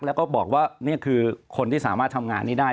แล้วก็บอกว่านี่คือคนที่สามารถทำงานนี้ได้